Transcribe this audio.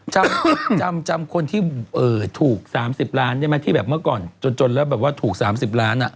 จำจำจำคนที่เอ่อถูกสามสิบล้านใช่ไหมที่แบบเมื่อก่อนจนจนแล้วแบบว่าถูกสามสิบล้านอ่ะ